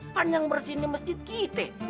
kan yang bersihin di masjid kita